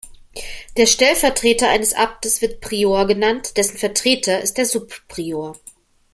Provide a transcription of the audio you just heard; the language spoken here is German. Der Stellvertreter eines Abtes wird Prior genannt, dessen Vertreter ist der Subprior.